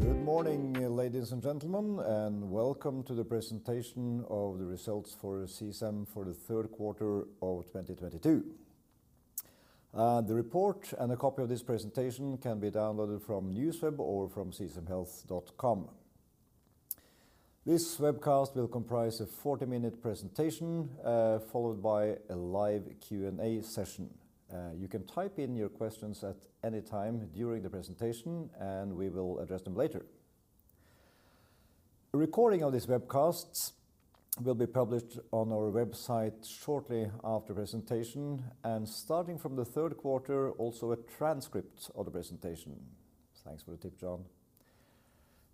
Good morning, ladies and gentlemen, and welcome to the presentation of the results for Omda for the third quarter of 2022. The report and a copy of this presentation can be downloaded from NewsWeb or from csamhealth.com. This webcast will comprise a 40-minute presentation, followed by a live Q&A session. You can type in your questions at any time during the presentation, and we will address them later. A recording of this webcast will be published on our website shortly after presentation, and starting from the third quarter, also a transcript of the presentation. Thanks for the tip, John.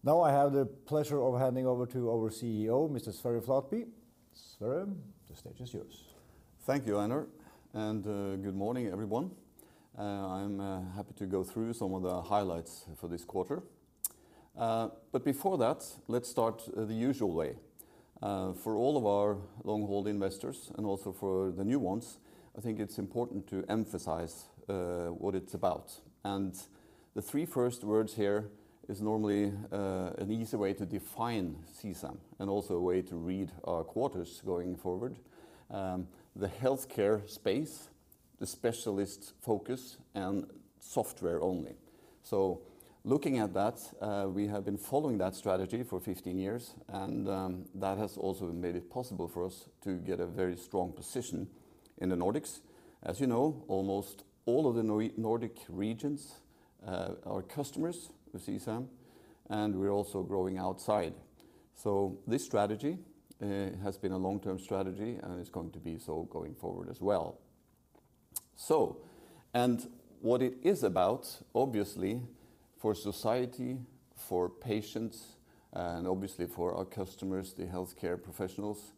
Now I have the pleasure of handing over to our CEO, Mr. Sverre Flatby. Sverre, the stage is yours. Thank you, Einar, good morning, everyone. I'm happy to go through some of the highlights for this quarter. Before that, let's start the usual way. For all of our long-hold investors and also for the new ones, I think it's important to emphasize what it's about. The three first words here is normally an easy way to define CSAM and also a way to read our quarters going forward. The healthcare space, the specialist focus and software only. Looking at that, we have been following that strategy for 15 years and that has also made it possible for us to get a very strong position in the Nordics. As you know, almost all of the Nordic regions are customers with CSAM, and we're also growing outside. This strategy has been a long-term strategy and is going to be so going forward as well. What it is about, obviously, for society, for patients, and obviously for our customers, the healthcare professionals,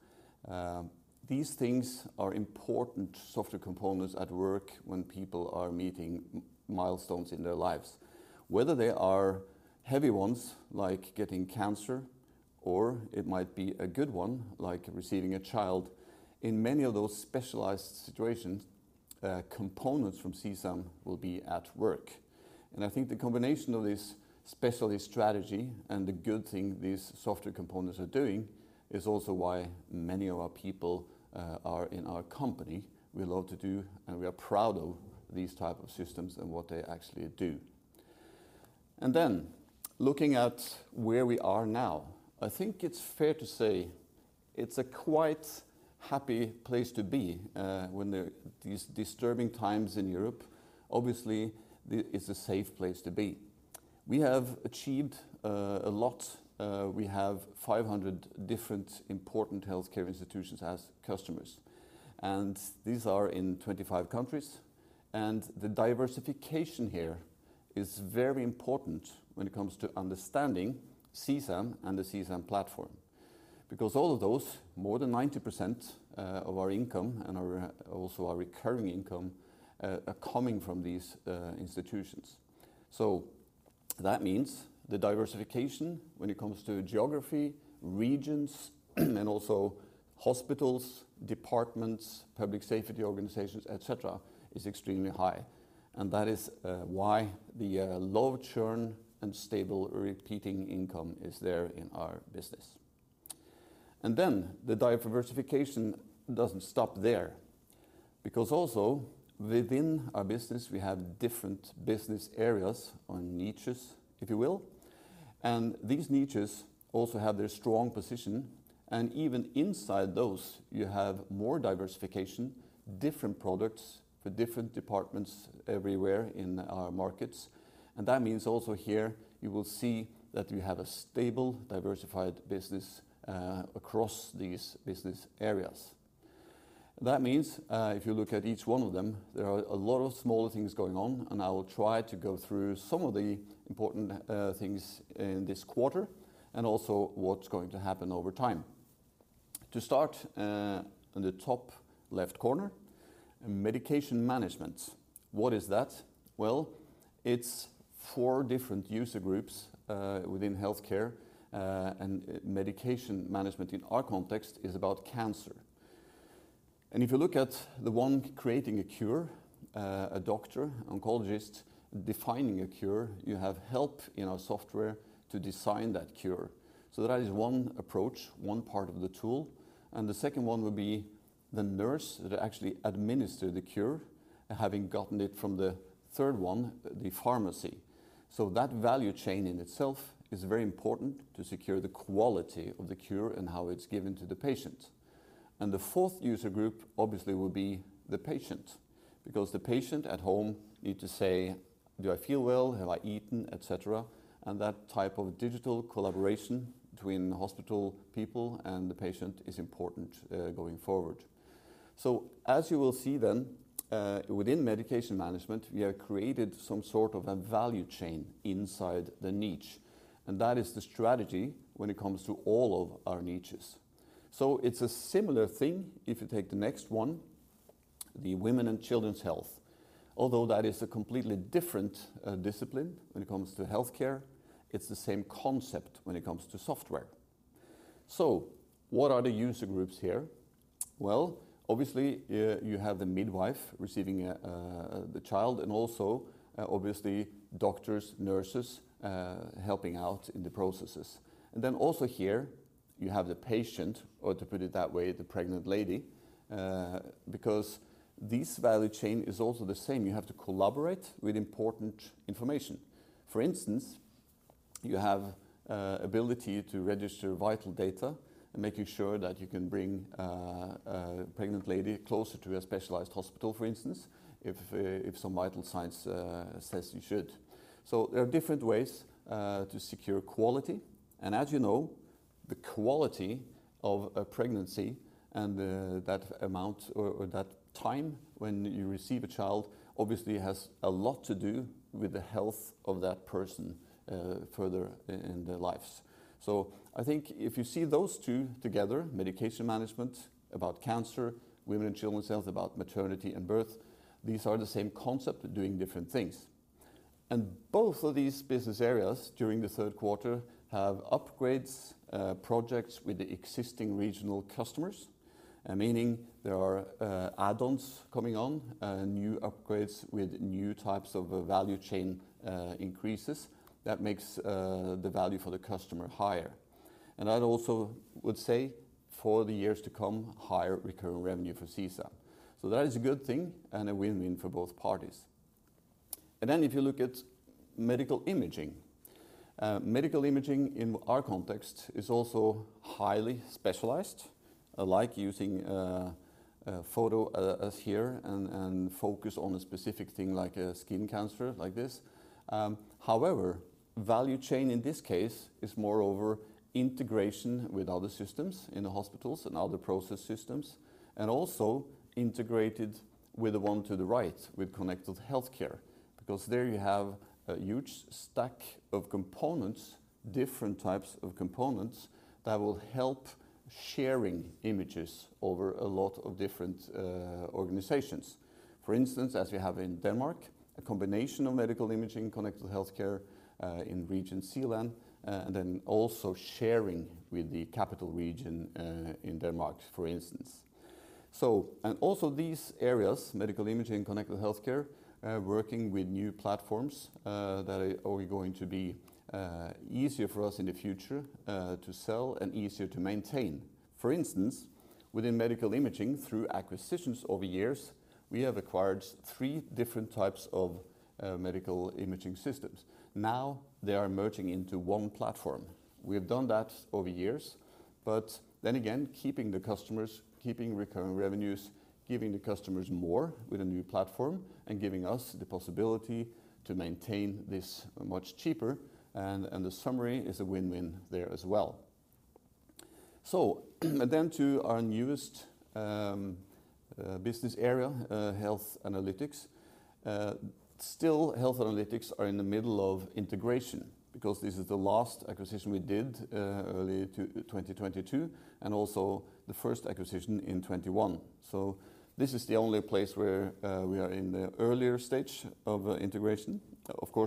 these things are important software components at work when people are meeting milestones in their lives. Whether they are heavy ones like getting cancer, or it might be a good one like receiving a child, in many of those specialized situations, components from CSAM will be at work. I think the combination of this specialist strategy and the good thing these software components are doing is also why many of our people are in our company. We love to do, and we are proud of these type of systems and what they actually do. Looking at where we are now, I think it's fair to say it's a quite happy place to be when there are these disturbing times in Europe. Obviously, it's a safe place to be. We have achieved a lot. We have 500 different important healthcare institutions as customers, and these are in 25 countries. The diversification here is very important when it comes to understanding CSAM and the CSAM platform. All of those, more than 90% of our income and our, also our recurring income, are coming from these institutions. That means the diversification when it comes to geography, regions, and also hospitals, departments, Public Safety organizations, et cetera, is extremely high. That is why the low churn and stable repeating income is there in our business. The diversification doesn't stop there, because also within our business, we have different business areas or niches, if you will. These niches also have their strong position. Even inside those, you have more diversification, different products for different departments everywhere in our markets. That means also here you will see that you have a stable, diversified business across these business areas. If you look at each one of them, there are a lot of smaller things going on, and I will try to go through some of the important things in this quarter and also what's going to happen over time. On the top left corner, medication management. What is that? Well, it's four different user groups within healthcare, and medication management in our context is about cancer. If you look at the one creating a cure, a doctor, oncologist defining a cure, you have help in our software to design that cure. That is one approach, one part of the tool. The second one would be the nurse that actually administer the cure, having gotten it from the third one, the pharmacy. That value chain in itself is very important to secure the quality of the cure and how it's given to the patient. The fourth user group obviously will be the patient, because the patient at home need to say, "Do I feel well? Have I eaten?" et cetera. That type of digital collaboration between the hospital people and the patient is important, going forward. As you will see then, within medication management, we have created some sort of a value chain inside the niche, and that is the strategy when it comes to all of our niches. It's a similar thing if you take the next one, the women and children's health. Although that is a completely different discipline when it comes to healthcare, it's the same concept when it comes to software. What are the user groups here? Well, obviously you have the midwife receiving the child and also obviously doctors, nurses helping out in the processes. Then also here you have the patient or to put it that way, the pregnant lady, because this value chain is also the same. You have to collaborate with important information. For instance, you have ability to register vital data and making sure that you can bring a pregnant lady closer to a specialized hospital, for instance, if some vital signs says you should. There are different ways to secure quality. As you know, the quality of a pregnancy and that amount or that time when you receive a child, obviously has a lot to do with the health of that person further in their lives. I think if you see those two together, medication management about cancer, women and children's health, about maternity and birth, these are the same concept doing different things. Both of these business areas during the third quarter have upgrades, projects with the existing regional customers, meaning there are add-ons coming on, new upgrades with new types of value chain, increases that makes the value for the customer higher. I'd also would say for the years to come, higher recurring revenue for CSAM. That is a good thing and a win-win for both parties. If you look at medical imaging, medical imaging in our context is also highly specialized, like using a photo as here and focus on a specific thing like a skin cancer like this. However, value chain in this case is more over integration with other systems in the hospitals and other process systems, and also integrated with the one to the right with connected healthcare, because there you have a huge stack of components, different types of components that will help sharing images over a lot of different organizations. For instance, as we have in Denmark, a combination of medical imaging connected healthcare in Region Zealand, and then also sharing with the capital region in Denmark, for instance. And also these areas, medical imaging, connected healthcare, working with new platforms that are going to be easier for us in the future to sell and easier to maintain. For instance, within medical imaging through acquisitions over years, we have acquired three different types of medical imaging systems. They are merging into one platform. We have done that over years, keeping the customers, keeping recurring revenues, giving the customers more with a new platform and giving us the possibility to maintain this much cheaper and the summary is a win-win there as well. To our newest business area, Health Analytics, still Health Analytics are in the middle of integration because this is the last acquisition we did early to 2022, and also the first acquisition in 2021. This is the only place where we are in the earlier stage of integration.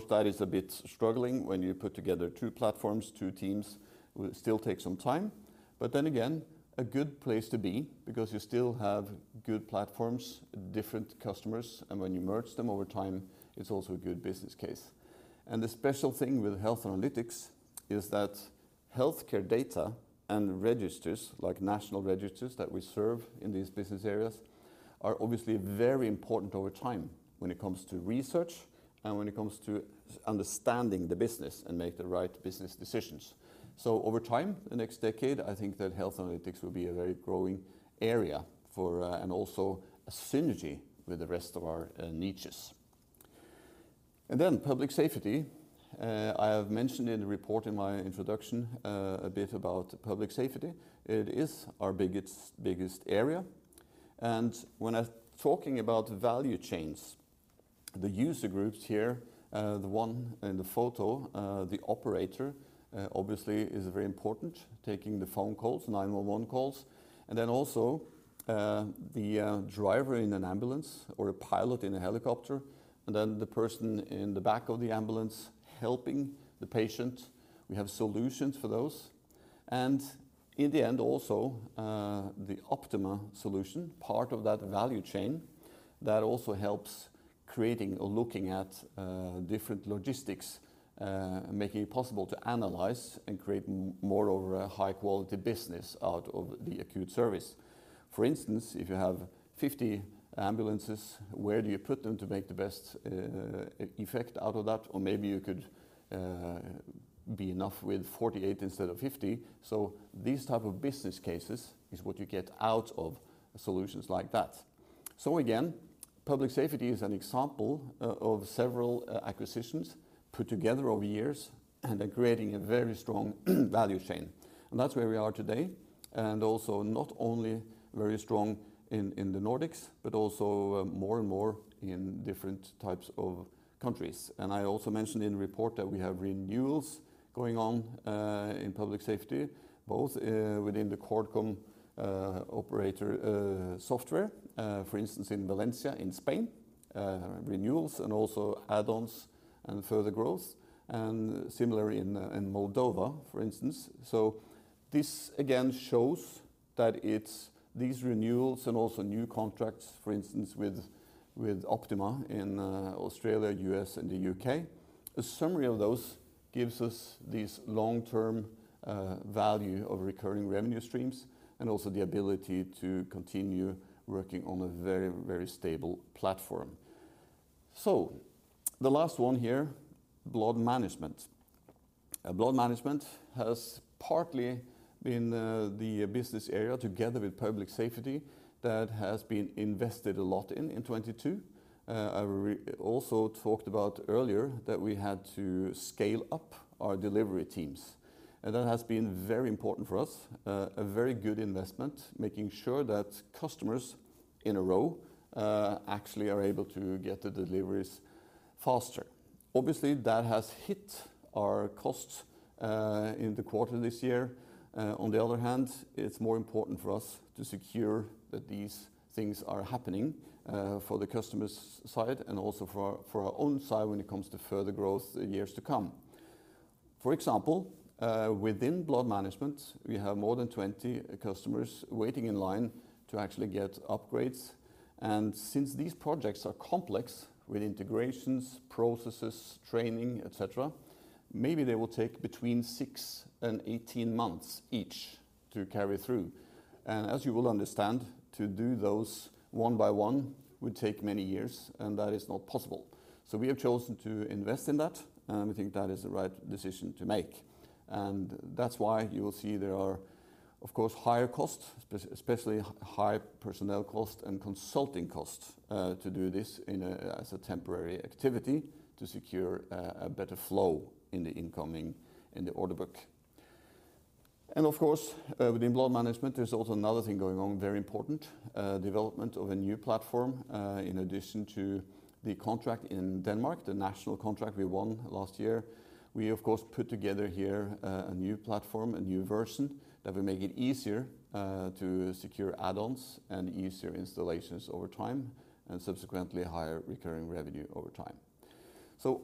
That is a bit struggling when you put together two platforms, two teams will still take some time, a good place to be because you still have good platforms, different customers, and when you merge them over time, it's also a good business case. The special thing with Health Analytics is that healthcare data and registers, like national registers that we serve in these business areas, are obviously very important over time when it comes to research and when it comes to understanding the business and make the right business decisions. Over time, the next decade, I think that Health Analytics will be a very growing area for, and also a synergy with the rest of our niches. And then Public Safety, I have mentioned in the report in my introduction, a bit about Public Safety. It is our biggest area. When I talking about value chains, the user groups here, the one in the photo, the operator, obviously is very important, taking the phone calls, 911 calls, and then also, the driver in an ambulance or a pilot in a helicopter, and then the person in the back of the ambulance helping the patient. We have solutions for those. In the end, also, the Optima solution, part of that value chain that also helps creating or looking at different logistics, making it possible to analyze and create more over a high quality business out of the acute service. For instance, if you have 50 ambulances, where do you put them to make the best effect out of that? Maybe you could be enough with 48 instead of 50. These type of business cases is what you get out of solutions like that. Again, Public Safety is an example of several acquisitions put together over years and are creating a very strong value chain. That's where we are today. Also not only very strong in the Nordics, but also more and more in different types of countries. I also mentioned in report that we have renewals going on in Public Safety, both within the CoordCom operator software, for instance in Valencia, in Spain. Renewals and also add-ons and further growth, and similar in Moldova, for instance. This again shows that it's these renewals and also new contracts, for instance, with Optima in Australia, U.S., and the U.K. A summary of those gives us these long-term value of recurring revenue streams and also the ability to continue working on a very, very stable platform. The last one here, blood management. Blood management has partly been the business area together with Public Safety that has been invested a lot in 2022. I also talked about earlier that we had to scale up our delivery teams, and that has been very important for us, a very good investment, making sure that customers in a row actually are able to get the deliveries faster. Obviously, that has hit our costs in the quarter this year. On the other hand, it's more important for us to secure that these things are happening for the customers' side and also for our own side when it comes to further growth in years to come. For example, within blood management, we have more than 20 customers waiting in line to actually get upgrades. Since these projects are complex with integrations, processes, training, etc., maybe they will take between six and 18 months each to carry through. As you will understand, to do those one by one would take many years, and that is not possible. We have chosen to invest in that, and we think that is the right decision to make. That's why you will see there are, of course, higher costs, especially high personnel costs and consulting costs to do this in a, as a temporary activity to secure a better flow in the incoming, in the order book. Of course, within blood management, there's also another thing going on, very important development of a new platform, in addition to the contract in Denmark, the national contract we won last year. We of course, put together here, a new platform, a new version that will make it easier to secure add-ons and easier installations over time, and subsequently higher recurring revenue over time.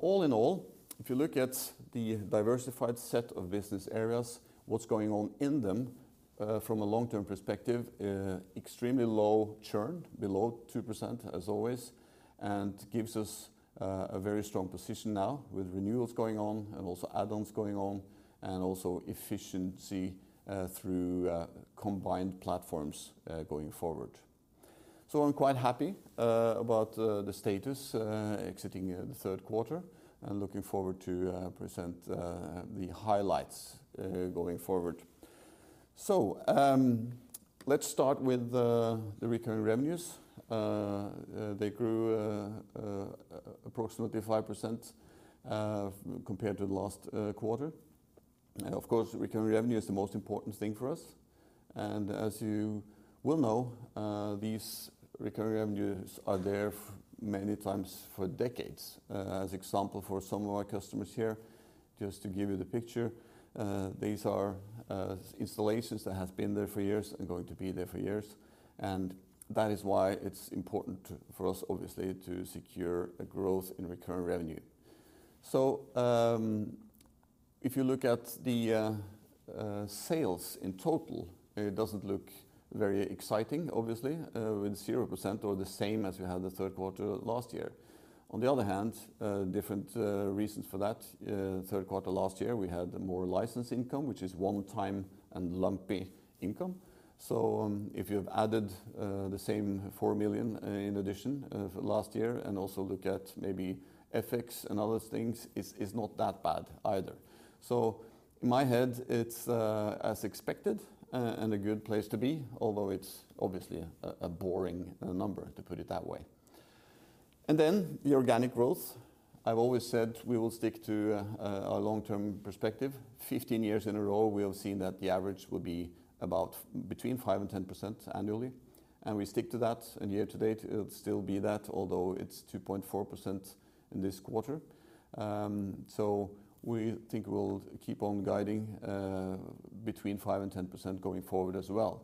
All in all, if you look at the diversified set of business areas, what's going on in them, from a long-term perspective, extremely low churn, below 2% as always, and gives us a very strong position now with renewals going on and also add-ons going on and also efficiency through combined platforms going forward. I'm quite happy about the status exiting the third quarter and looking forward to present the highlights going forward. Let's start with the recurring revenues. They grew approximately 5% compared to the last quarter. Of course, recurring revenue is the most important thing for us. As you will know, these recurring revenues are there many times for decades. As example, for some of our customers here, just to give you the picture, these are installations that have been there for years and going to be there for years. That is why it's important for us, obviously, to secure a growth in recurring revenue. If you look at the sales in total, it doesn't look very exciting, obviously, with 0% or the same as we had the third quarter last year. On the other hand, different reasons for that. Third quarter last year, we had more license income, which is one time and lumpy income. If you have added the same 4 million in addition of last year and also look at maybe FX and other things, it's not that bad either. In my head, it's as expected, and a good place to be, although it's obviously a boring number, to put it that way. The organic growth. I've always said we will stick to our long-term perspective. 15 years in a row, we have seen that the average will be about between 5% and 10% annually, and we stick to that. Year to date, it'll still be that, although it's 2.4% in this quarter. We think we'll keep on guiding between 5% and 10% going forward as well.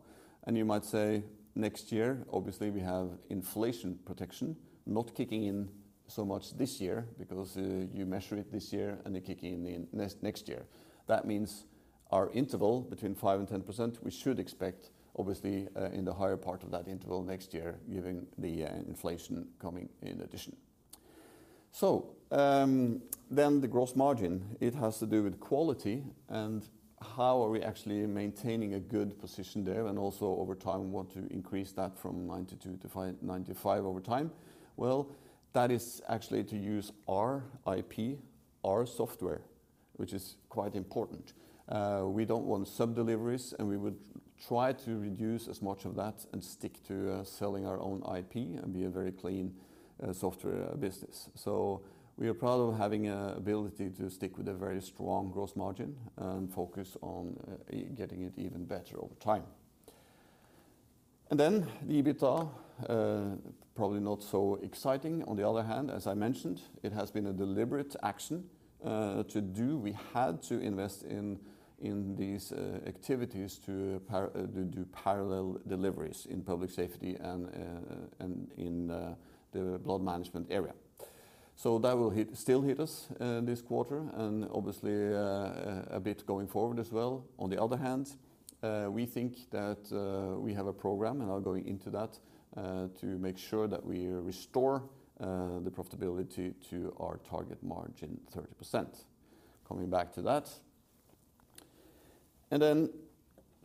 You might say next year, obviously, we have inflation protection not kicking in so much this year because you measure it this year and they're kicking in next year. That means our interval between 5% and 10%, we should expect obviously, in the higher part of that interval next year, given the inflation coming in addition. The gross margin, it has to do with quality and how are we actually maintaining a good position there and also over time, we want to increase that from 92% to 95% over time. That is actually to use our IP, our software, which is quite important. We don't want sub-deliveries, and we would try to reduce as much of that and stick to selling our own IP and be a very clean software business. We are proud of having a ability to stick with a very strong gross margin and focus on getting it even better over time. The EBITDA probably not so exciting. On the other hand, as I mentioned, it has been a deliberate action to do. We had to invest in these activities to do parallel deliveries in Public Safety and in the blood management area. That will hit, still hit us this quarter and obviously a bit going forward as well. On the other hand, we think that we have a program, and I'll go into that, to make sure that we restore the profitability to our target margin 30%. Coming back to that.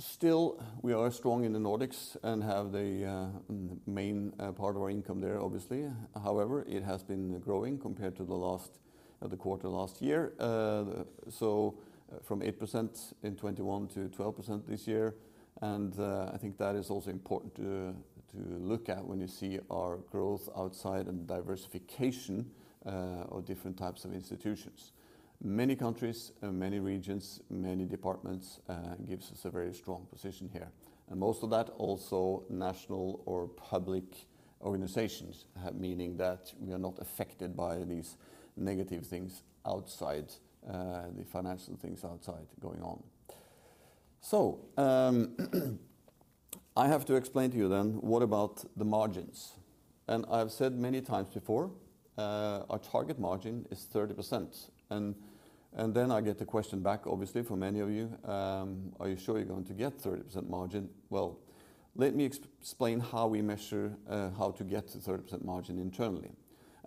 Still, we are strong in the Nordics and have the main part of our income there, obviously. However, it has been growing compared to the last quarter last year. From 8% in 2021 to 12% this year. I think that is also important to look at when you see our growth outside and diversification of different types of institutions. Many countries, many regions, many departments, gives us a very strong position here. Most of that also national or public organizations, meaning that we are not affected by these negative things outside, the financial things outside going on. I have to explain to you then, what about the margins? I've said many times before, our target margin is 30%. Then I get the question back, obviously, from many of you, are you sure you're going to get 30% margin? Well, let me explain how we measure how to get to 30% margin internally.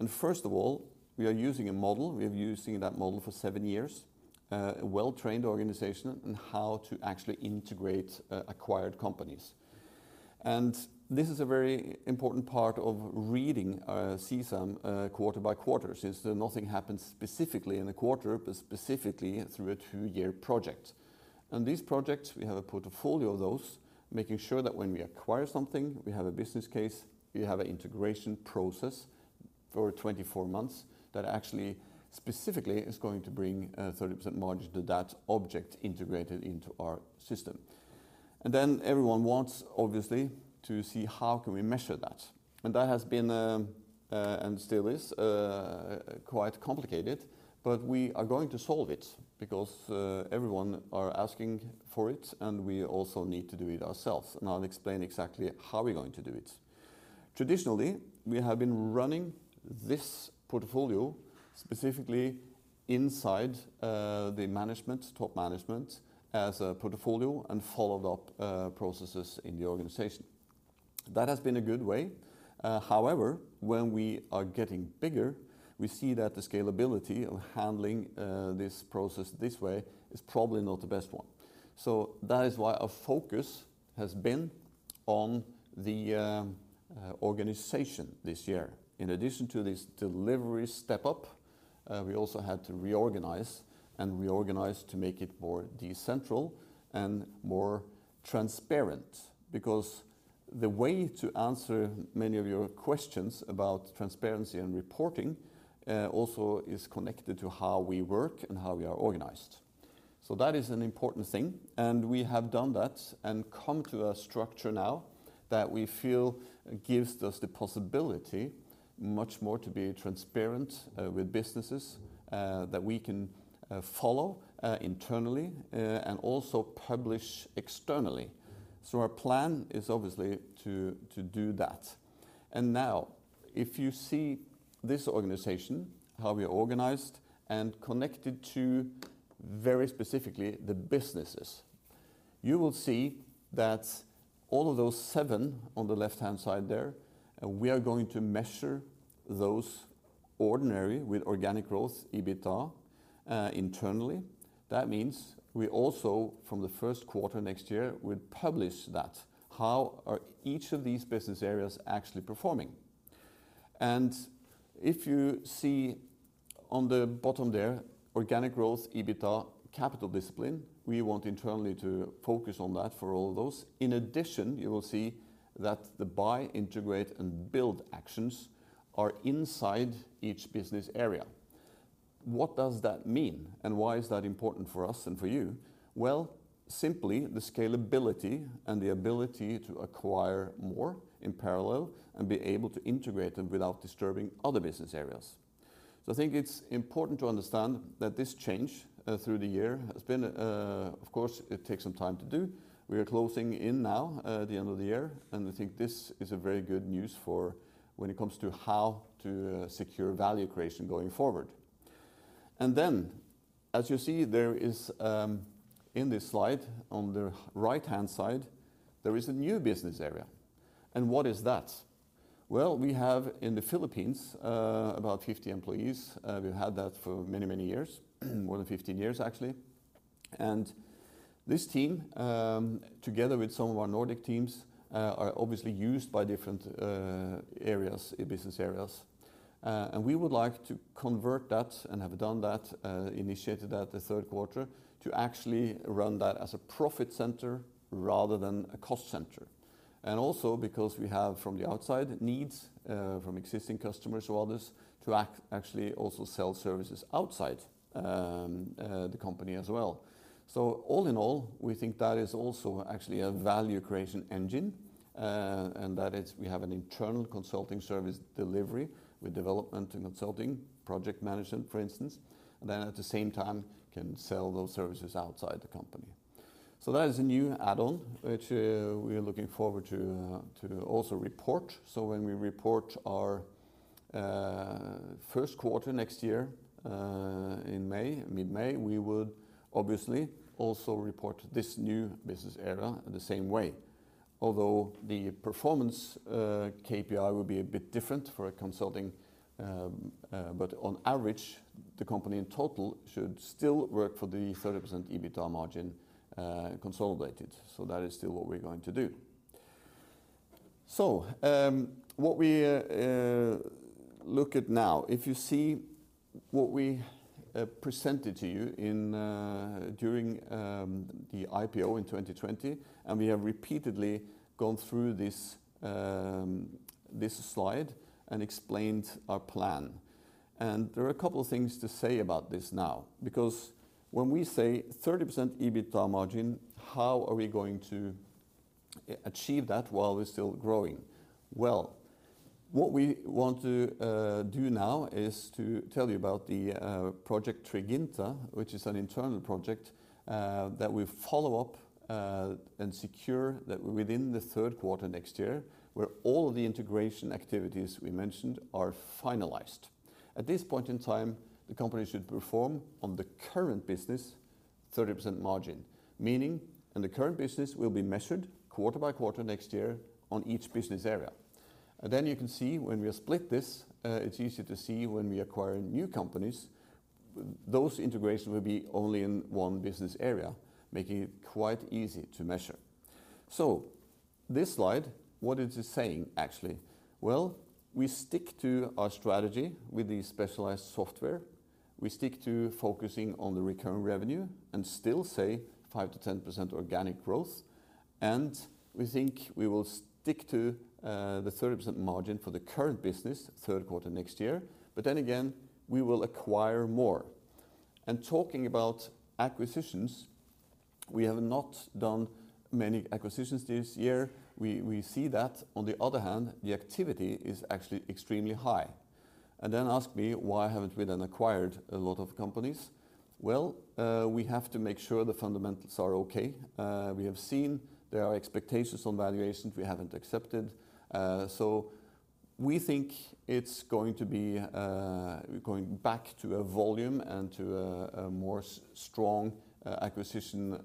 First of all, we are using a model. We have using that model for seven years, a well-trained organization on how to actually integrate acquired companies. This is a very important part of reading CSAM quarter by quarter, since nothing happens specifically in a quarter, but specifically through a two-year project. These projects, we have a portfolio of those, making sure that when we acquire something, we have a business case, we have an integration process for 24 months that actually specifically is going to bring a 30% margin to that object integrated into our system. Everyone wants, obviously, to see how can we measure that. That has been and still is quite complicated, but we are going to solve it because everyone are asking for it, and we also need to do it ourselves. I'll explain exactly how we're going to do it. Traditionally, we have been running this portfolio specifically inside, the management, top management as a portfolio and followed up processes in the organization. That has been a good way. However, when we are getting bigger, we see that the scalability of handling this process this way is probably not the best one. That is why our focus has been on the organization this year. In addition to this delivery step-up, we also had to reorganize to make it more decentral and more transparent because the way to answer many of your questions about transparency and reporting, also is connected to how we work and how we are organized. That is an important thing, and we have done that and come to a structure now that we feel gives us the possibility much more to be transparent with businesses that we can follow internally and also publish externally. Our plan is obviously to do that. Now if you see this organization, how we are organized and connected to very specifically the businesses, you will see that all of those seven on the left-hand side there, we are going to measure those ordinary with organic growth, EBITDA internally. That means we also, from the first quarter next year, will publish that, how are each of these business areas actually performing. If you see on the bottom there, organic growth, EBITDA, capital discipline, we want internally to focus on that for all those. In addition, you will see that the buy, integrate, and build actions are inside each business area. What does that mean? Why is that important for us and for you? Well, simply the scalability and the ability to acquire more in parallel and be able to integrate them without disturbing other business areas. I think it's important to understand that this change through the year has been, of course, it takes some time to do. We are closing in now, the end of the year, and I think this is a very good news for when it comes to how to secure value creation going forward. As you see, there is in this slide on the right-hand side, there is a new business area. What is that? Well, we have in the Philippines about 50 employees. We've had that for many, many years, more than 15 years, actually. This team, together with some of our Nordic teams, are obviously used by different areas, business areas. We would like to convert that and have done that, initiated that the third quarter, to actually run that as a profit center rather than a cost center. Also because we have from the outside needs, from existing customers or others to actually also sell services outside the company as well. All in all, we think that is also actually a value creation engine, and that is we have an internal consulting service delivery with development and consulting, project management, for instance, then at the same time can sell those services outside the company. That is a new add-on which we are looking forward to also report. When we report our first quarter next year, in May, mid-May, we would obviously also report this new business area the same way. Although the performance KPI will be a bit different for a consulting. On average, the company in total should still work for the 30% EBITDA margin consolidated. That is still what we are going to do. What we look at now, if you see what we presented to you in during the IPO in 2020, we have repeatedly gone through this slide and explained our plan, and there are a couple of things to say about this now. When we say 30% EBITDA margin, how are we going to achieve that while we're still growing? What we want to do now is to tell you about the project Triginta, which is an internal project that we follow up and secure that within the third quarter next year, where all of the integration activities we mentioned are finalized. At this point in time, the company should perform on the current business 30% margin. Meaning, the current business will be measured quarter by quarter next year on each business area. Then you can see, when we split this, it's easy to see when we acquire new companies, those integration will be only in one business area, making it quite easy to measure. What is it saying, actually? Well, we stick to our strategy with the specialized software. We stick to focusing on the recurring revenue and still say 5%-10% organic growth. We think we will stick to the 30% margin for the current business third quarter next year. Again, we will acquire more. Talking about acquisitions, we have not done many acquisitions this year. We see that. On the other hand, the activity is actually extremely high. Then ask me, "Why haven't we then acquired a lot of companies?" Well, we have to make sure the fundamentals are okay. We have seen there are expectations on valuations we haven't accepted. We think it's going to be going back to a volume and to a more strong acquisition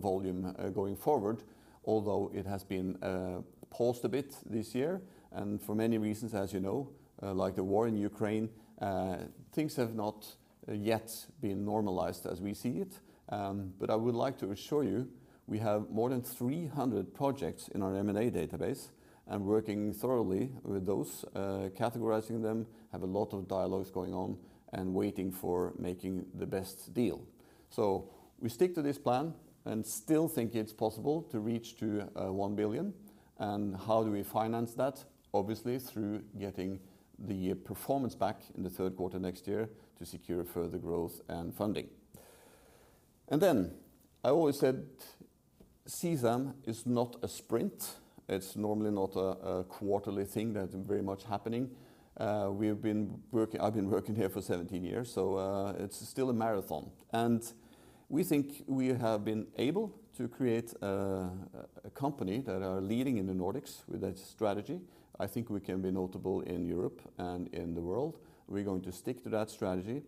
volume going forward, although it has been paused a bit this year. For many reasons, as you know, like the war in Ukraine, things have not yet been normalized as we see it. I would like to assure you, we have more than 300 projects in our M&A database and working thoroughly with those, categorizing them, have a lot of dialogues going on and waiting for making the best deal. We stick to this plan and still think it's possible to reach to 1 billion. How do we finance that? Obviously, through getting the performance back in the third quarter next year to secure further growth and funding. I always said, "CSAM is not a sprint." It's normally not a quarterly thing that very much happening. I've been working here for 17 years, so it's still a marathon. We think we have been able to create a company that are leading in the Nordics with that strategy. I think we can be notable in Europe and in the world. We're going to stick to that strategy.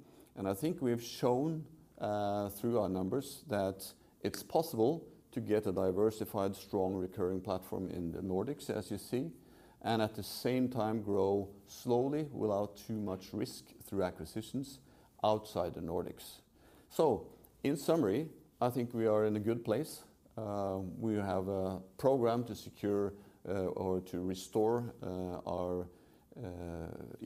I think we've shown through our numbers that it's possible to get a diversified, strong, recurring platform in the Nordics, as you see, and at the same time grow slowly without too much risk through acquisitions outside the Nordics. In summary, I think we are in a good place. We have a program to secure or to restore our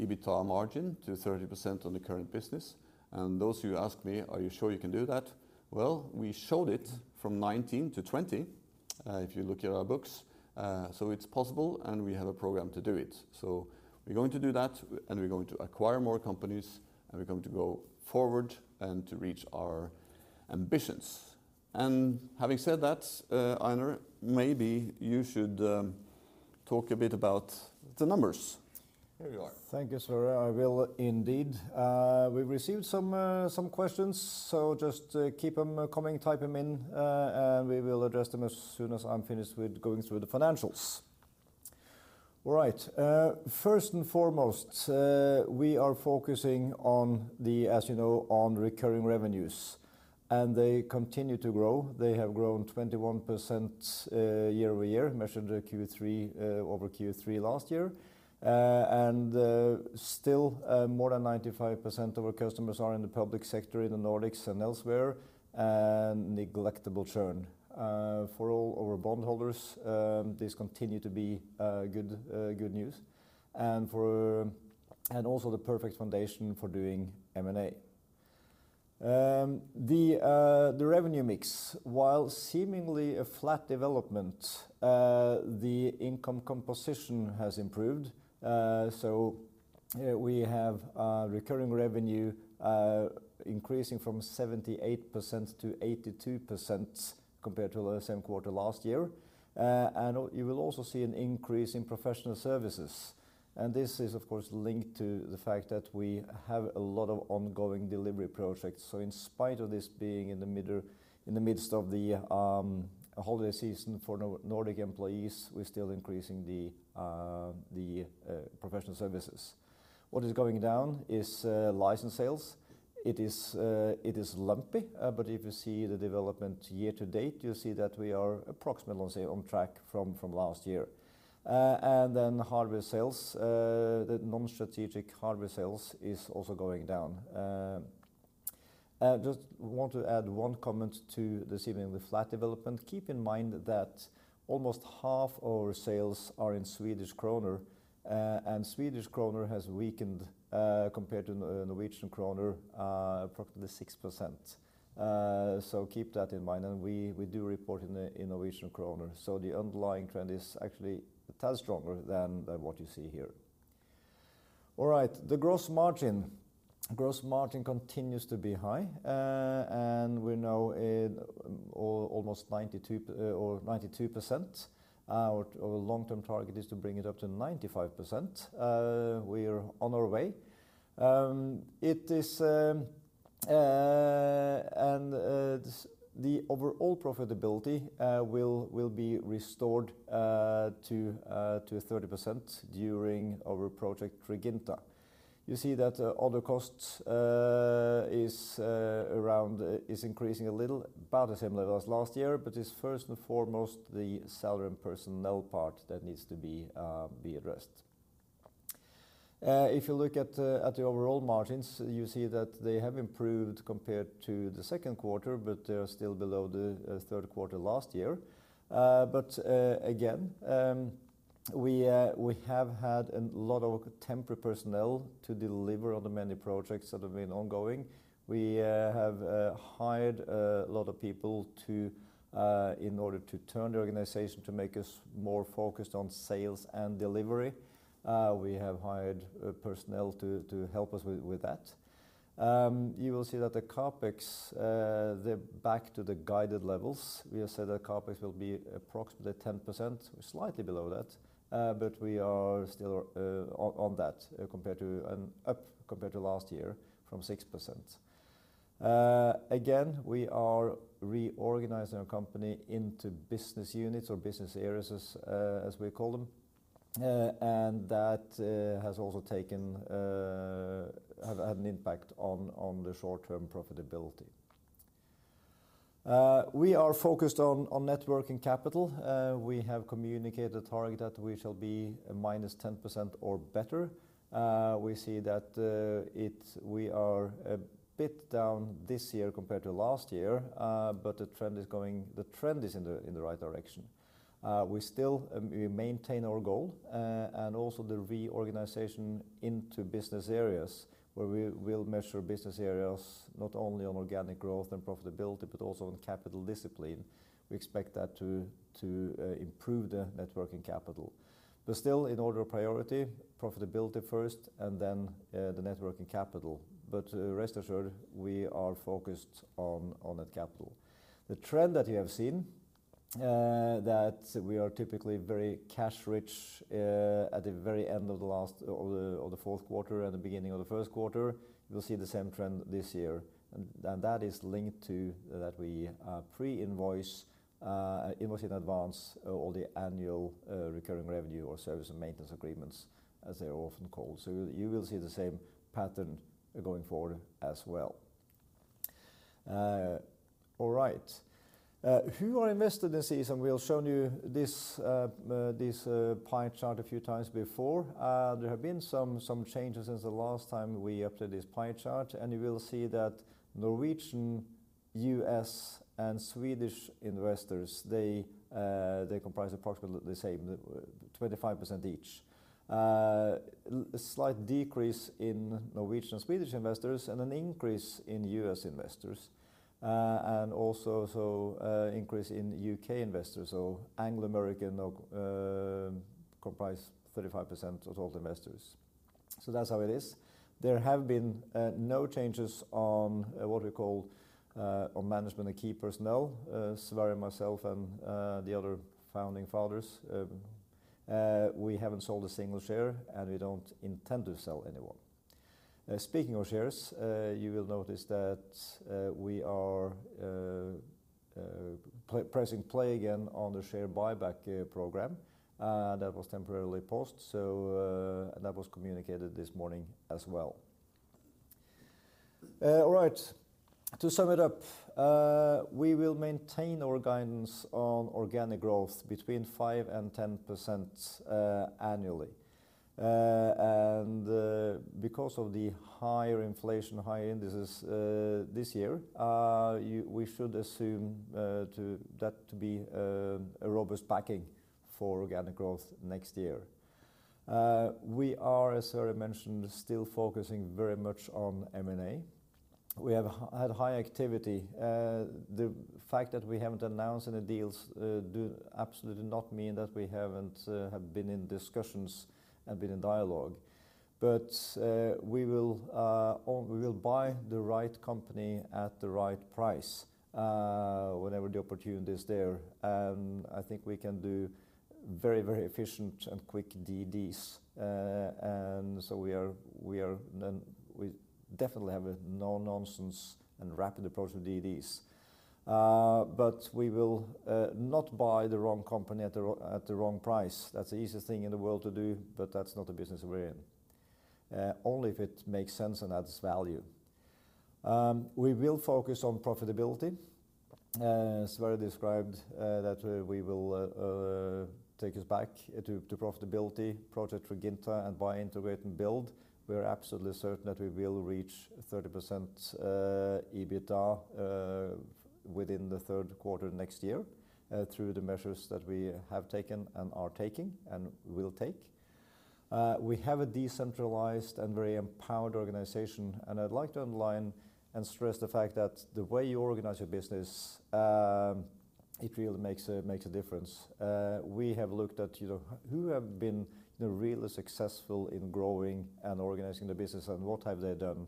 EBITDA margin to 30% on the current business. Those who ask me, "Are you sure you can do that?" We showed it from 19 to 20 if you look at our books. It's possible, and we have a program to do it. We're going to do that, and we're going to acquire more companies, and we're going to go forward and to reach our ambitions. Having said that, Einar, maybe you should talk a bit about the numbers. Here you are. Thank you, Sverre. I will indeed. We've received some questions, so just keep them coming, type them in, and we will address them as soon as I'm finished with going through the financials. All right. First and foremost, we are focusing on the, as you know, on recurring revenues, and they continue to grow. They have grown 21%, year-over-year, measured Q3, over Q3 last year. Still, more than 95% of our customers are in the public sector in the Nordics and elsewhere, and neglectable churn. For all our bondholders, this continue to be good news and also the perfect foundation for doing M&A. The revenue mix, while seemingly a flat development, the income composition has improved. We have recurring revenue increasing from 78% to 82% compared to the same quarter last year. You will also see an increase in professional services. This is, of course, linked to the fact that we have a lot of ongoing delivery projects. In spite of this being in the midst of the holiday season for Nordic employees, we're still increasing the professional services. What is going down is license sales. It is lumpy, but if you see the development year to date, you'll see that we are approximately on track from last year. The hardware sales, the non-strategic hardware sales is also going down. Just want to add one comment to this evening, the flat development. Keep in mind that almost half our sales are in Swedish krona, and Swedish krona has weakened compared to Norwegian krone, approximately 6%. Keep that in mind, and we do report in Norwegian krone. The underlying trend is actually a tad stronger than what you see here. All right. The gross margin. Gross margin continues to be high, and we're now at almost 92% or 92%. Our long-term target is to bring it up to 95%. We are on our way. It is, and the overall profitability will be restored to 30% during our project Triginta. You see that other costs is increasing a little, about the same level as last year, but it's first and foremost the salary and personnel part that needs to be addressed. If you look at the overall margins, you see that they have improved compared to the second quarter, but they are still below the third quarter last year. Again, we have had a lot of temporary personnel to deliver on the many projects that have been ongoing. We have hired a lot of people in order to turn the organization to make us more focused on sales and delivery. We have hired personnel to help us with that. You will see that the CapEx, they're back to the guided levels. We have said that CapEx will be approximately 10%, slightly below that, but we are still on that compared to, and up compared to last year from 6%. Again, we are reorganizing our company into business units or business areas as we call them, and that has also taken, have had an impact on the short-term profitability. We are focused on net working capital. We have communicated the target that we shall be -10% or better. We see that we are a bit down this year compared to last year, but the trend is in the, in the right direction. We still, we maintain our goal, and also the reorganization into business areas where we will measure business areas not only on organic growth and profitability, but also on capital discipline. We expect that to improve the net working capital. Still, in order of priority, profitability first, and then the net working capital. Rest assured, we are focused on that capital. The trend that you have seen that we are typically very cash-rich at the very end of the last, or the, or the fourth quarter and the beginning of the first quarter, you'll see the same trend this year. That is linked to that we pre-invoice, invoice in advance all the annual recurring revenue or service and maintenance agreements, as they are often called. You will see the same pattern going forward as well. All right. Who are invested in CSAM? We've shown you this pie chart a few times before. There have been some changes since the last time we updated this pie chart, and you will see that Norwegian, U.S., and Swedish investors, they comprise approximately the same, 25% each. Slight decrease in Norwegian, Swedish investors and an increase in U.S. investors, and also, so, increase in U.K. investors. Anglo-American comprise 35% of all the investors. That's how it is. There have been no changes on what we call on management and key personnel, Sverre, myself, and the other founding fathers. We haven't sold a single share, and we don't intend to sell any one. Speaking of shares, you will notice that we are pressing play again on the share buyback program that was temporarily paused. That was communicated this morning as well. All right. To sum it up, we will maintain our guidance on organic growth between 5% and 10% annually. Because of the higher inflation, higher indices this year, we should assume that to be a robust backing for organic growth next year. We are, as Sverre mentioned, still focusing very much on M&A. We have had high activity. The fact that we haven't announced any deals do absolutely not mean that we haven't been in discussions and been in dialogue. We will, or we will buy the right company at the right price, whenever the opportunity is there. I think we can do very, very efficient and quick DDs. We are, we are then... we definitely have a no-nonsense and rapid approach to DDs. We will not buy the wrong company at the wrong price. That's the easiest thing in the world to do, but that's not the business we're in. Only if it makes sense and adds value. We will focus on profitability. Sverre described that we will take us back to profitability, Project Triginta, and buy, integrate, and build. We are absolutely certain that we will reach 30% EBITDA within the third quarter next year through the measures that we have taken and are taking and will take. We have a decentralized and very empowered organization, and I'd like to underline and stress the fact that the way you organize your business, it really makes a difference. We have looked at, you know, who have been the really successful in growing and organizing the business and what have they done.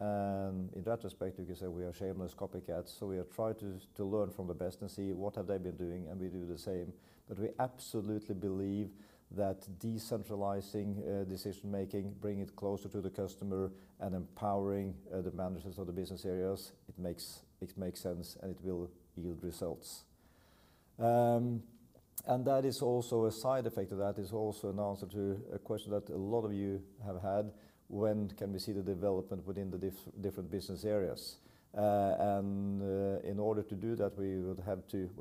In that respect, you can say we are shameless copycats, so we have tried to learn from the best and see what have they been doing, and we do the same. We absolutely believe that decentralizing, decision-making, bringing it closer to the customer and empowering, the managers of the business areas, it makes sense, and it will yield results. That is also a side effect of that, is also an answer to a question that a lot of you have had, "When can we see the development within the different business areas?" In order to do that, we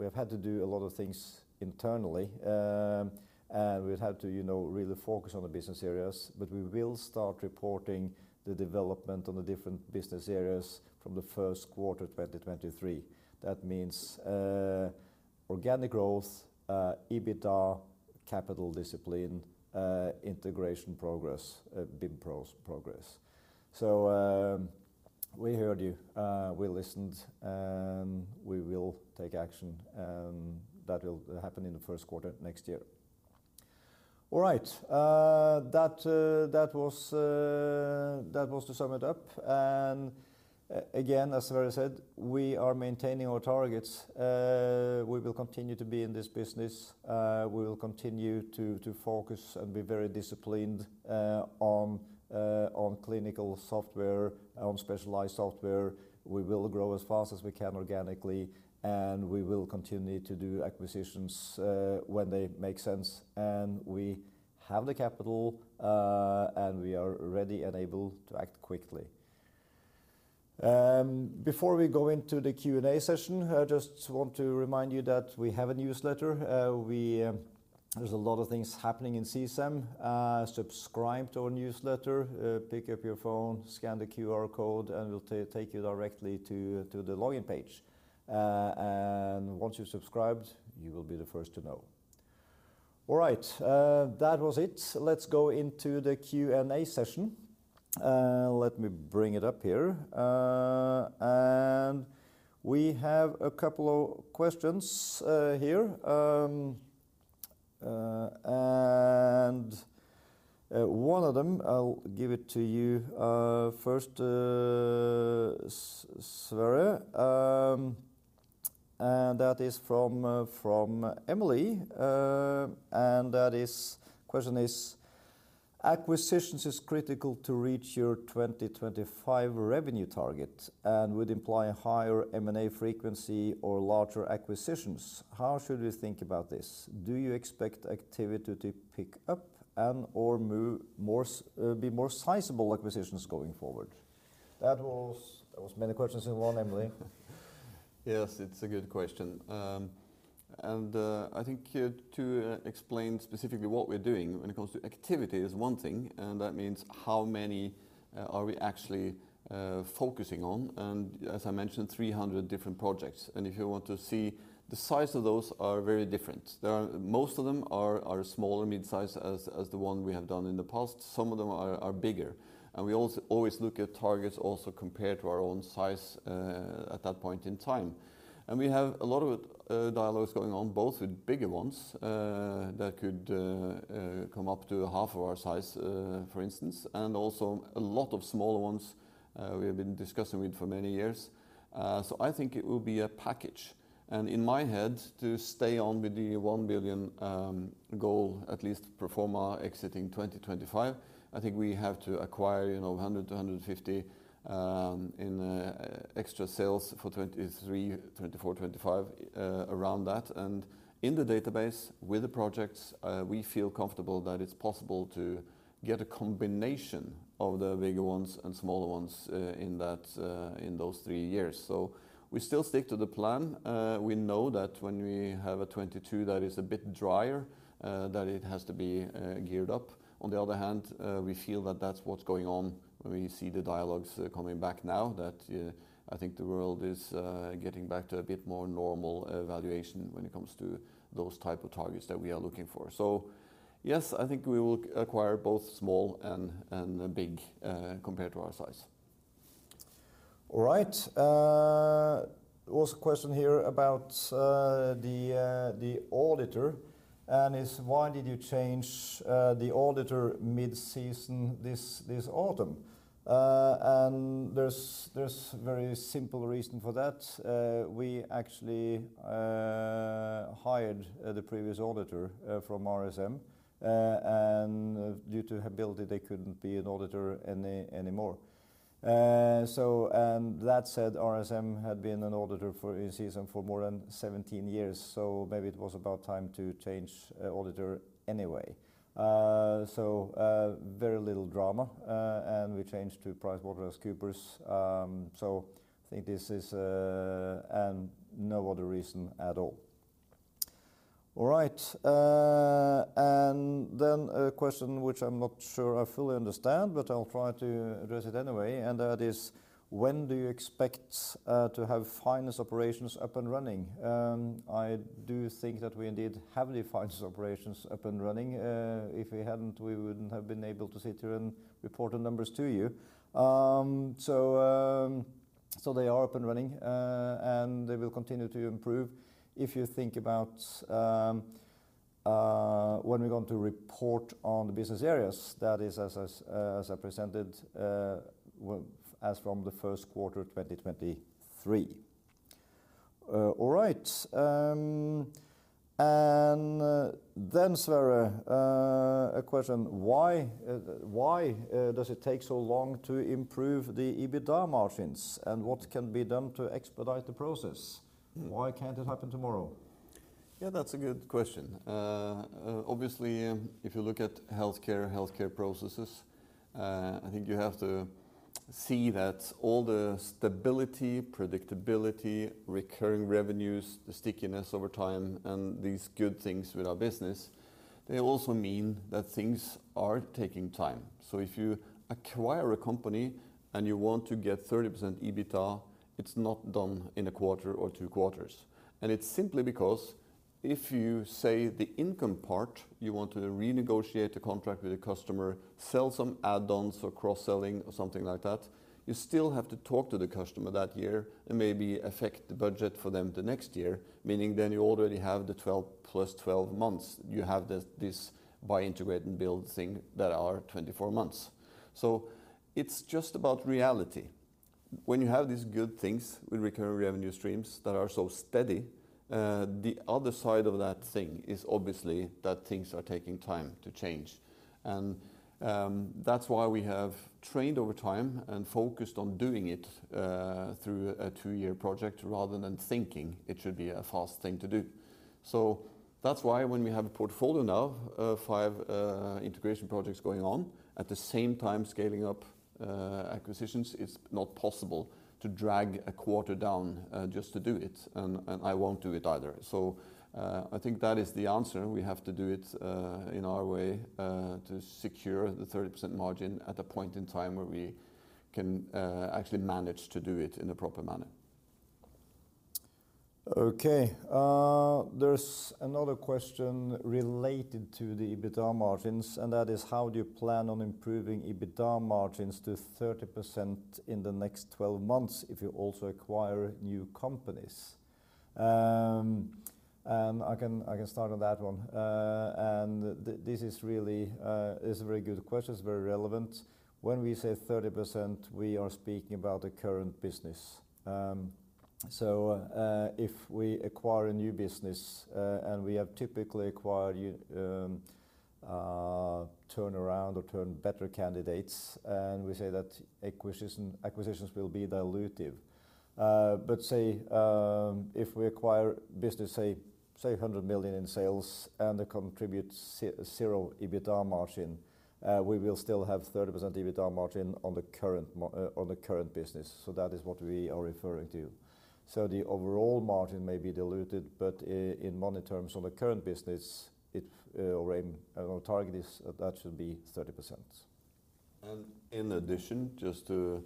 have had to do a lot of things internally, and we'd have to, you know, really focus on the business areas. We will start reporting the development on the different business areas from the first quarter 2023. That means, organic growth, EBITDA, capital discipline, integration progress, BIM progress. We heard you, we listened, we will take action, and that will happen in the first quarter next year. All right. That was to sum it up. Again, as Sverre said, we are maintaining our targets. We will continue to be in this business. We will continue to focus and be very disciplined on clinical software, on specialized software. We will grow as fast as we can organically, and we will continue to do acquisitions when they make sense. We have the capital, and we are ready and able to act quickly. Before we go into the Q&A session, I just want to remind you that we have a newsletter. There's a lot of things happening in CSAM. Subscribe to our newsletter. Pick up your phone, scan the QR code, and it will take you directly to the login page. Once you've subscribed, you will be the first to know. All right. That was it. Let's go into the Q&A session. Let me bring it up here. We have a couple of questions here. One of them, I'll give it to you first, Sverre, and that is from Emily. That is, question is, acquisitions is critical to reach your 2025 revenue target and would imply higher M&A frequency or larger acquisitions. How should we think about this? Do you expect activity to pick up and or be more sizable acquisitions going forward? That was many questions in one, Emily. Yes. It's a good question. I think here to explain specifically what we're doing when it comes to activity is one thing, and that means how many are we actually focusing on? As I mentioned, 300 different projects. If you want to see the size of those are very different. There are most of them are small or mid-size as the one we have done in the past. Some of them are bigger. We also always look at targets also compared to our own size at that point in time. We have a lot of dialogues going on, both with bigger ones that could come up to half of our size, for instance, and also a lot of smaller ones we have been discussing with for many years. I think it will be a package. In my head, to stay on with the 1 billion goal, at least pro forma exiting 2025, I think we have to acquire, you know, 100 million-150 million in extra sales for 2023, 2024, 2025, around that. In the database with the projects, we feel comfortable that it's possible to get a combination of the bigger ones and smaller ones, in that, in those three years. We still stick to the plan. We know that when we have a 2022 that is a bit drier, that it has to be geared up. On the other hand, we feel that that's what's going on when we see the dialogues coming back now, that, I think the world is getting back to a bit more normal evaluation when it comes to those type of targets that we are looking for. Yes, I think we will acquire both small and big compared to our size. All right. Also a question here about the auditor, and it's why did you change the auditor mid-season this autumn? There's very simple reason for that. We actually hired the previous auditor from RSM, and due to ability they couldn't be an auditor anymore. And that said, RSM had been an auditor for Omda for more than 17 years, so maybe it was about time to change auditor anyway. Very little drama, and we changed to PwC. I think this is, and no other reason at all. All right, then a question which I'm not sure I fully understand, but I'll try to address it anyway, and that is: When do you expect to have finance operations up and running? I do think that we indeed have the finance operations up and running. If we hadn't, we wouldn't have been able to sit here and report the numbers to you. So they are up and running, and they will continue to improve. If you think about when we're going to report on the business areas, that is as I presented as from the first quarter of 2023. All right. Sverre, a question, why does it take so long to improve the EBITDA margins, and what can be done to expedite the process? Why can't it happen tomorrow? Yeah, that's a good question. Obviously if you look at healthcare processes, I think you have to see that all the stability, predictability, recurring revenues, the stickiness over time, and these good things with our business, they also mean that things are taking time. If you acquire a company, and you want to get 30% EBITDA, it's not done in a quarter or two quarters. It's simply because if you say the income part, you want to renegotiate a contract with a customer, sell some add-ons or cross-selling or something like that, you still have to talk to the customer that year and maybe affect the budget for them the next year, meaning you already have the 12 plus 12 months. You have this buy, integrate, and build thing that are 24 months. It's just about reality. When you have these good things with recurring revenue streams that are so steady, the other side of that thing is obviously that things are taking time to change. That's why we have trained over time and focused on doing it through a two-year project rather than thinking it should be a fast thing to do. That's why when we have a portfolio now of five integration projects going on, at the same time scaling up acquisitions, it's not possible to drag a quarter down just to do it, and I won't do it either. I think that is the answer. We have to do it in our way to secure the 30% margin at the point in time where we can actually manage to do it in a proper manner. Okay. There's another question related to the EBITDA margin and that is how do you plan on improving EBITDA margins to 30% in the next 12 months if you also acquire new companies? I can start on that one. This is really a very good question. It's very relevant. When we say 30%, we are speaking about the current business. If we acquire a new business, we have typically acquired turnaround or turn better candidates, and we say that acquisitions will be dilutive. Say, if we acquire business, say 100 million in sales and it contributes zero EBITDA margin, we will still have 30% EBITDA margin on the current business. That is what we are referring to. The overall margin may be diluted, but in money terms on the current business, it, our aim or target is that should be 30%. In addition, just to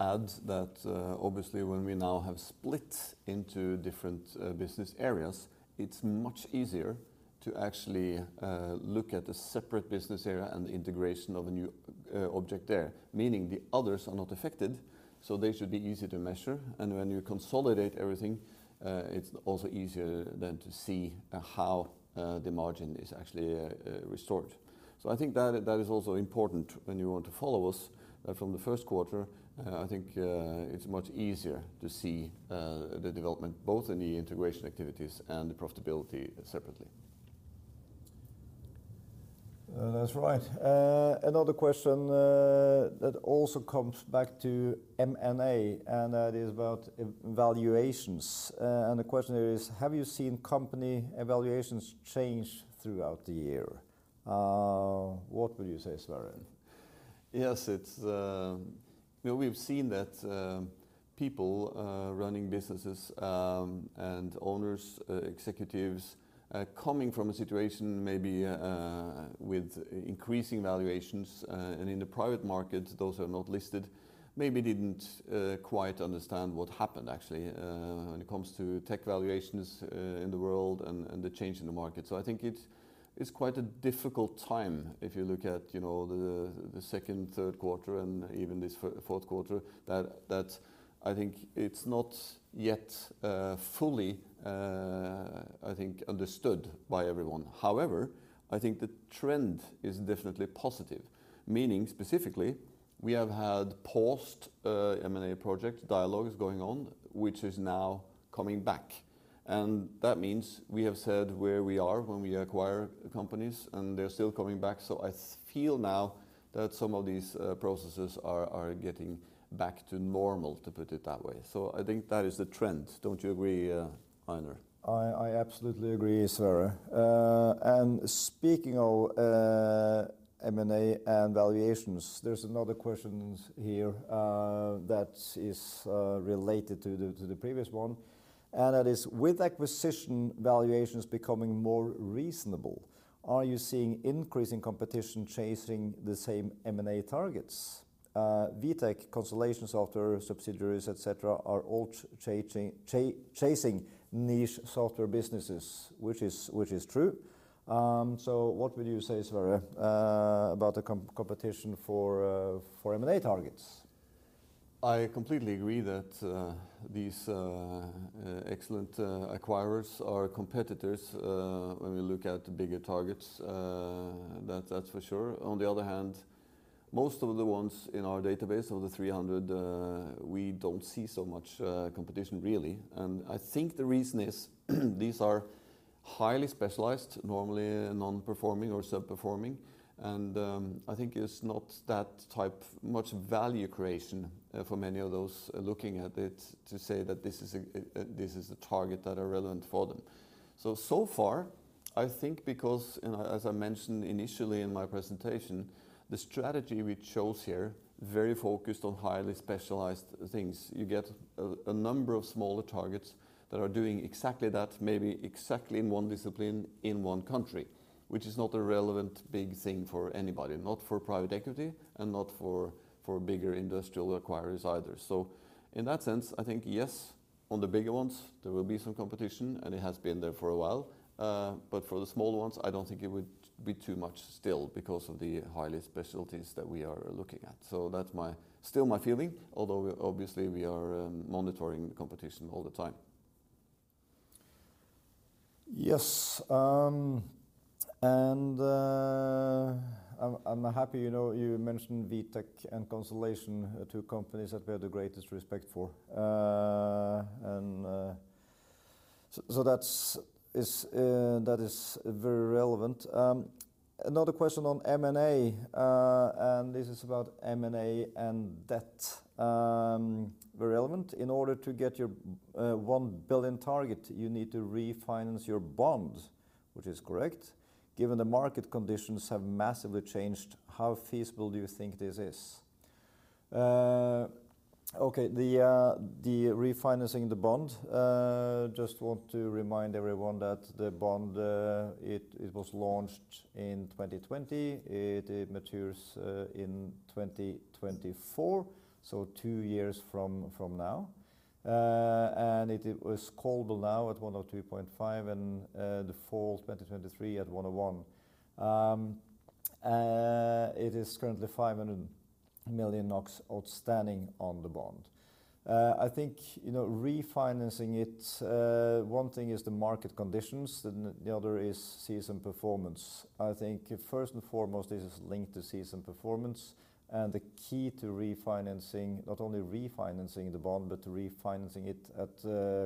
add that, obviously when we now have split into different business areas, it's much easier to actually look at the separate business area and the integration of a new object there, meaning the others are not affected, so they should be easy to measure. When you consolidate everything, it's also easier then to see how the margin is actually restored. I think that is also important when you want to follow us from the first quarter. I think it's much easier to see the development both in the integration activities and the profitability separately. That's right. Another question, that also comes back to M&A, that is about evaluations. The question here is, have you seen company evaluations change throughout the year? What would you say, Sverre? Yes, it's. You know, we've seen that people running businesses, and owners, executives, coming from a situation maybe with increasing valuations, and in the private market, those who are not listed maybe didn't quite understand what happened actually when it comes to tech valuations in the world and the change in the market. I think it is quite a difficult time if you look at, you know, the second, third quarter and even this fourth quarter, that I think it's not yet fully understood by everyone. However, I think the trend is definitely positive. Meaning specifically, we have had paused M&A project dialogues going on, which is now coming back, and that means we have said where we are when we acquire companies, and they're still coming back. I feel now that some of these processes are getting back to normal, to put it that way. I think that is the trend. Don't you agree, Einar? I absolutely agree, Sverre. Speaking of M&A and valuations, there's another question here that is related to the previous one, and that is: With acquisition valuations becoming more reasonable, are you seeing increasing competition chasing the same M&A targets? Vitec, Constellation Software subsidiaries, et cetera, are all chasing niche software businesses, which is true. What would you say, Sverre, about the competition for M&A targets? I completely agree that these excellent acquirers are competitors when we look at the bigger targets, that's for sure. On the other hand, most of the ones in our database, of the 300, we don't see so much competition really. I think the reason is these are highly specialized, normally non-performing or sub-performing, and I think it's not that much value creation for many of those looking at it to say that this is a target that are relevant for them. So far, I think because, and as I mentioned initially in my presentation, the strategy we chose here, very focused on highly specialized things. You get a number of smaller targets that are doing exactly that, maybe exactly in one discipline in one country, which is not a relevant big thing for anybody, not for private equity and not for bigger industrial acquirers either. In that sense, I think, yes, on the bigger ones, there will be some competition, and it has been there for a while. But for the smaller ones, I don't think it would be too much still because of the highly specialties that we are looking at. That's still my feeling, although obviously we are monitoring the competition all the time. Yes. I'm happy, you know, you mentioned Vitec and Constellation, two companies that we have the greatest respect for. That is very relevant. Another question on M&A, this is about M&A and debt, very relevant. In order to get your 1 billion target, you need to refinance your bond, which is correct. Given the market conditions have massively changed, how feasible do you think this is? Okay, the refinancing the bond, just want to remind everyone that the bond was launched in 2020. It matures in 2024, so two years from now. It was callable now at 103.5 and default 2023 at 101. It is currently 500 million NOK outstanding on the bond. I think, you know, refinancing it, one thing is the market conditions, and the other is season performance. I think first and foremost, this is linked to season performance and the key to refinancing, not only refinancing the bond, but refinancing it at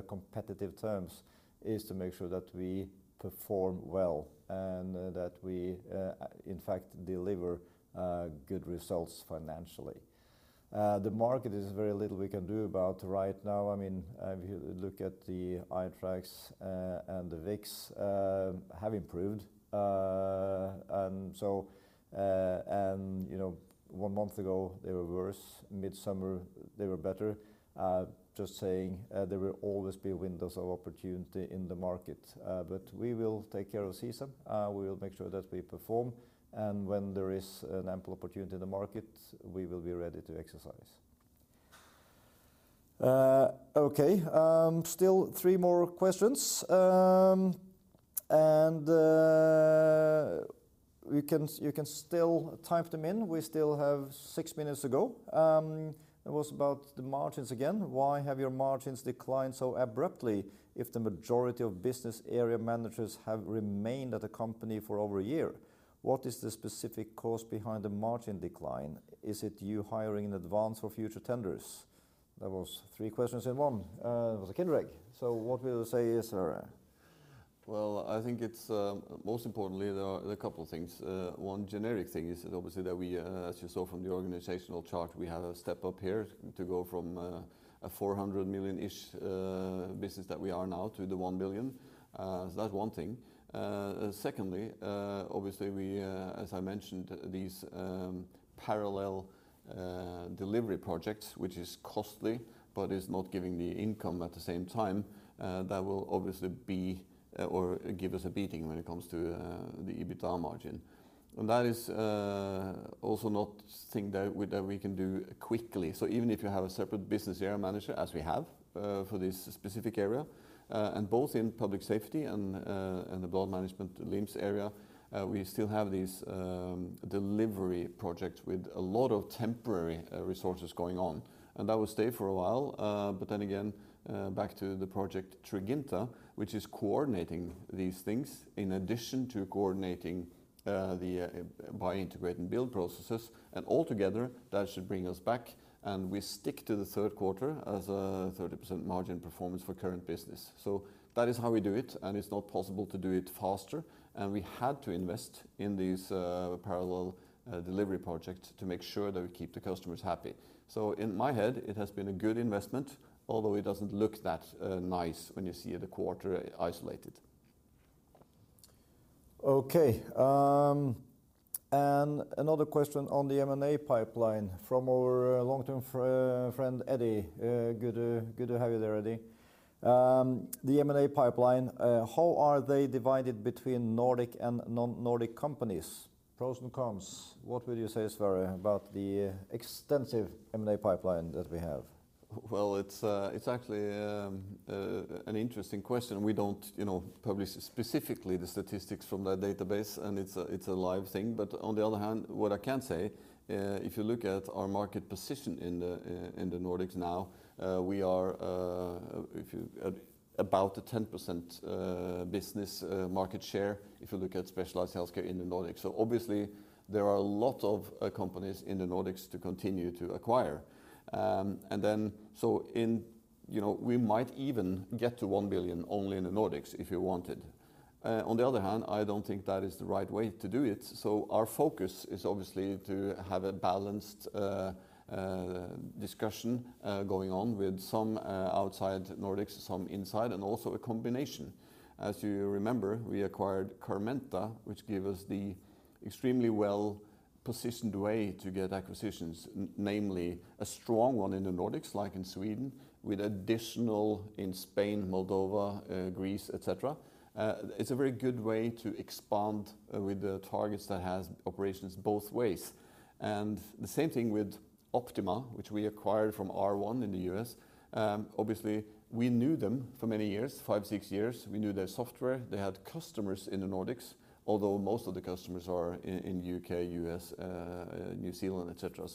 competitive terms, is to make sure that we perform well and that we, in fact deliver good results financially. The market is very little we can do about right now. I mean, if you look at the itracks and the VIX have improved. You know, one month ago, they were worse, mid-summer they were better. Just saying, there will always be windows of opportunity in the market, we will take care of season. We will make sure that we perform, and when there is an ample opportunity in the market, we will be ready to exercise. Okay. Still three more questions. You can still type them in. We still have six minutes to go. It was about the margins again. Why have your margins declined so abruptly if the majority of business area managers have remained at the company for over a year? What is the specific cause behind the margin decline? Is it you hiring in advance for future tenders? That was three questions in one. It was Kindred. What will you say, Sverre? Well, I think it's most importantly, there are a couple things. One generic thing is that obviously that we, as you saw from the organizational chart, we have a step up here to go from a 400 million-ish business that we are now to the 1 billion. So that's one thing. Secondly, obviously, we, as I mentioned, these, parallel, delivery projects, which is costly but is not giving the income at the same time, that will obviously be or give us a beating when it comes to the EBITDA margin. That is also not something that we can do quickly. Even if you have a separate business area manager, as we have, for this specific area, and both in Public Safety and the blood management LIMS area, we still have these delivery projects with a lot of temporary resources going on, and that will stay for a while. Again, back to the project Triginta, which is coordinating these things in addition to coordinating the buy, integrate, and build processes, and altogether that should bring us back, and we stick to the third quarter as a 30% margin performance for current business. That is how we do it, and it's not possible to do it faster, and we had to invest in these parallel delivery projects to make sure that we keep the customers happy. In my head, it has been a good investment, although it doesn't look that nice when you see the quarter isolated. Okay. Another question on the M&A pipeline from our long-term friend Eddie. Good to have you there, Eddie. The M&A pipeline, how are they divided between Nordic and non-Nordic companies? Pros and cons, what would you say, Sverre, about the extensive M&A pipeline that we have? Well, it's actually an interesting question. We don't, you know, publish specifically the statistics from that database, and it's a, it's a live thing. On the other hand, what I can say, if you look at our market position in the Nordics now, we are about a 10% business market share, if you look at specialized healthcare in the Nordics. Obviously there are a lot of companies in the Nordics to continue to acquire. In, you know, we might even get to 1 billion only in the Nordics if you wanted. On the other hand, I don't think that is the right way to do it. Our focus is obviously to have a balanced discussion going on with some outside Nordics, some inside, and also a combination. As you remember, we acquired Carmenta, which gave us the extremely well-positioned way to get acquisitions, namely a strong one in the Nordics, like in Sweden, with additional in Spain, Moldova, Greece, et cetera. It's a very good way to expand with the targets that has operations both ways. The same thing with Optima, which we acquired from R1 in the U.S. Obviously, we knew them for many years, five, six years. We knew their software. They had customers in the Nordics, although most of the customers are in U.K., U.S., New Zealand, et cetera.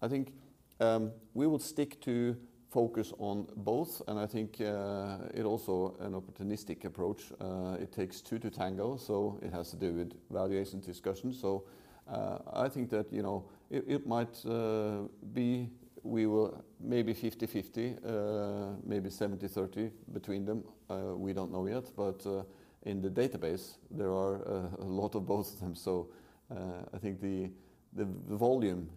I think we will stick to focus on both, and I think it also an opportunistic approach. It takes two to tango, it has to do with valuation discussions. I think that, you know, it might be we will maybe 50/50, maybe 70/30 between them. We don't know yet. In the database there are a lot of both of them. I think the volume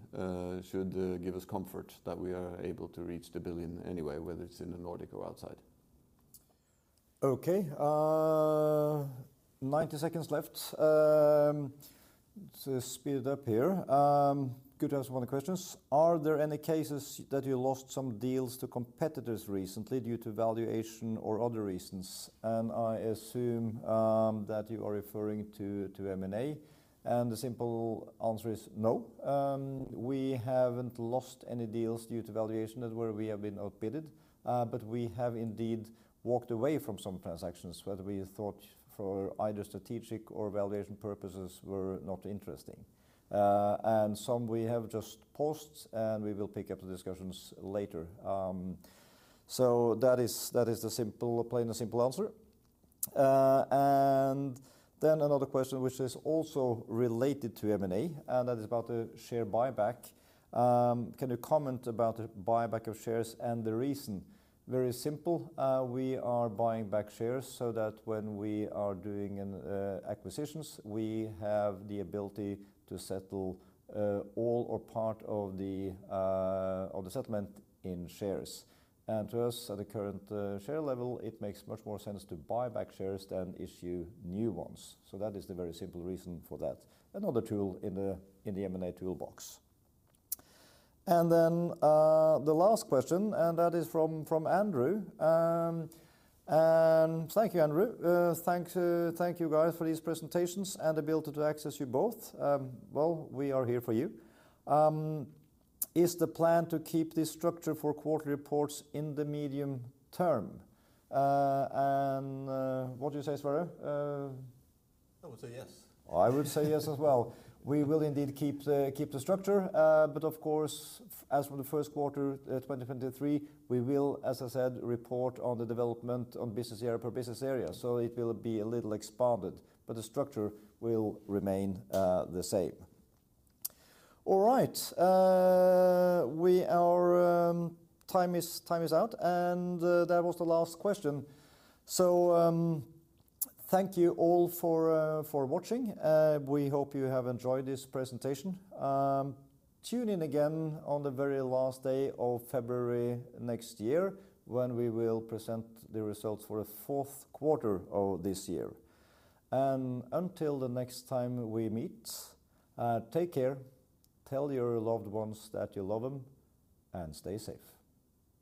should give us comfort that we are able to reach the billion anyway, whether it's in the Nordic or outside. Okay. 90 seconds left. Let's speed it up here. Good to answer one of the questions. Are there any cases that you lost some deals to competitors recently due to valuation or other reasons? I assume that you are referring to M&A, and the simple answer is no. We haven't lost any deals due to valuation and where we have been outbidded. We have indeed walked away from some transactions, whether we thought for either strategic or valuation purposes were not interesting. Some we have just paused, and we will pick up the discussions later. That is the simple, plain and simple answer. Another question which is also related to M&A, and that is about the share buyback. Can you comment about the buyback of shares and the reason? Very simple. We are buying back shares so that when we are doing acquisitions, we have the ability to settle all or part of the settlement in shares. To us, at the current share level, it makes much more sense to buy back shares than issue new ones. That is the very simple reason for that. Another tool in the M&A toolbox. The last question, and that is from Andrew. Thank you, Andrew. Thank you guys for these presentations and the ability to access you both. Well, we are here for you. Is the plan to keep this structure for quarter reports in the medium term? What do you say, Sverre? I would say yes. I would say yes as well. We will indeed keep the structure. Of course, as from the first quarter 2023, we will, as I said, report on the development on business area per business area, so it will be a little expanded, but the structure will remain the same. All right. Time is out, and that was the last question. Thank you all for watching. We hope you have enjoyed this presentation. Tune in again on the very last day of February next year when we will present the results for the fourth quarter of this year. Until the next time we meet, take care, tell your loved ones that you love them, and stay safe.